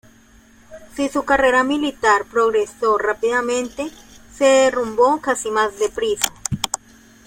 Si su carrera militar progresó rápidamente, se derrumbó casi más de prisa.